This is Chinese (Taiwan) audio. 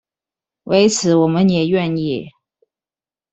為此我們也願意